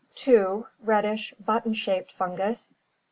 2. Reddish, button shaped fungus.